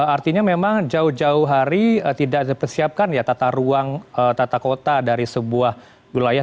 artinya memang jauh jauh hari tidak dipersiapkan ya tata ruang tata kota dari sebuah wilayah